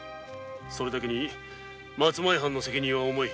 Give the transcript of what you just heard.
それだけに松前藩の責任は重い。